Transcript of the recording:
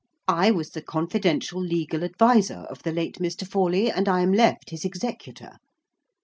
I was the confidential legal adviser of the late Mr. Forley, and I am left his executor.